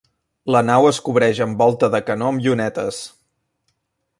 La nau es cobreix amb volta de canó amb llunetes.